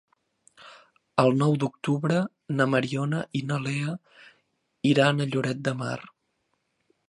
El nou d'octubre na Mariona i na Lea iran a Lloret de Mar.